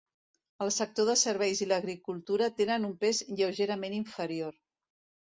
El sector de serveis i l'agricultura tenen un pes lleugerament inferior.